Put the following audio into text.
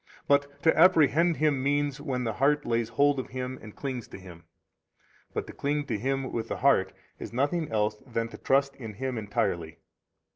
14 But to apprehend Him means when the heart lays hold of Him and clings to Him. 15 But to cling to Him with the heart is nothing else than to trust in Him entirely.